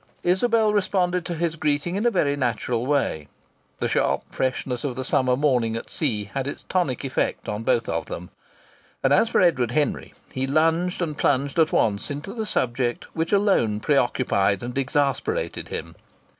Isabel responded to his greeting in a very natural way. The sharp freshness of the summer morning at sea had its tonic effect on both of them; and as for Edward Henry, he lunged and plunged at once into the subject which alone preoccupied and exasperated him.